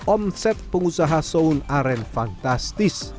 omset pengusaha soun aren fantastis